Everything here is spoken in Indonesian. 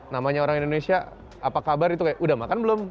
namanya orang indonesia apa kabar itu kayak udah makan belum